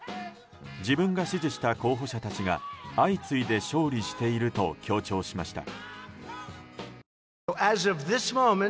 自分が支持した候補者たちが相次いで勝利していると強調しました。